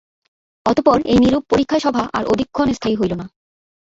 অতঃপর এই নীরব পরীক্ষাসভা আর অধিকক্ষণ স্থায়ী হইল না।